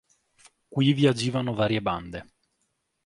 Qui vi agivano varie bande.